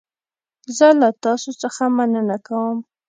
زه له تاسو څخه مننه کوم.